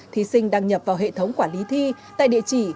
thí sinh đăng nhập vào hệ thống quản lý thi tại địa chỉ